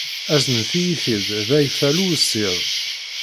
Aznet-iyi-t-id d afaylu ussid.